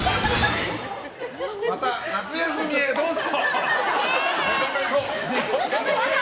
また夏休みへどうぞ！